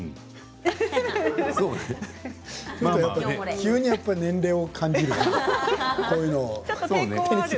急に年齢を感じるよねこういうの。